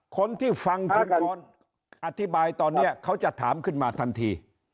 คนที่ฟังท่านก่อนอธิบายตอนนี้เขาจะถามขึ้นมาทันที